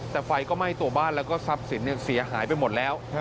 แต่ไฟก็ไหม้ตัวบ้านแล้วก็ทรัพย์สินเสียหายไปหมดแล้ว